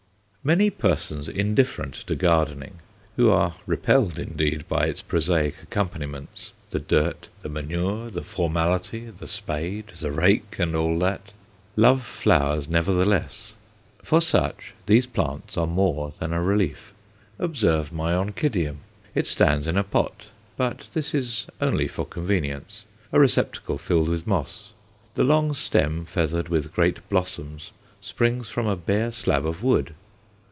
Many persons indifferent to gardening who are repelled, indeed, by its prosaic accompaniments, the dirt, the manure, the formality, the spade, the rake, and all that love flowers nevertheless. For such these plants are more than a relief. Observe my Oncidium. It stands in a pot, but this is only for convenience a receptacle filled with moss. The long stem feathered with great blossoms springs from a bare slab of wood.